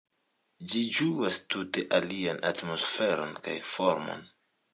Ĝi ĝuas tute alian atmosferon kaj formon.